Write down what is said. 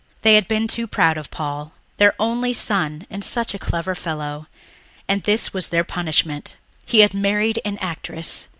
They had been too proud of Paul ... their only son and such a clever fellow ... and this was their punishment! He had married an actress!